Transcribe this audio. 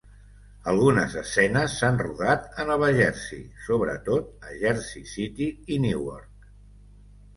Algunes escenes s'han rodat a Nova Jersey, sobretot a Jersey City i Newark.